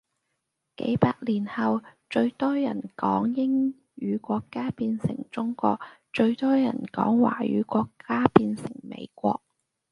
幾百年後最人多講英語國家變成中國，最多人講華語國家變成美國